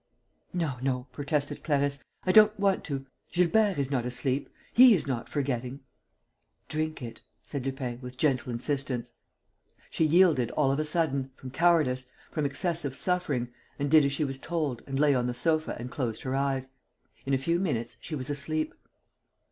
"No, no," protested Clarisse, "I don't want to. Gilbert is not asleep. He is not forgetting." "Drink it," said Lupin, with gentle insistence. She yielded all of a sudden, from cowardice, from excessive suffering, and did as she was told and lay on the sofa and closed her eyes. In a few minutes she was asleep.